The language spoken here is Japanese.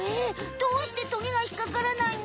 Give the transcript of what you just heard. どうしてトゲがひっかからないの？